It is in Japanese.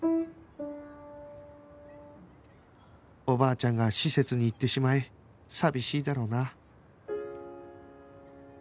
おばあちゃんが施設に行ってしまい寂しいだろうな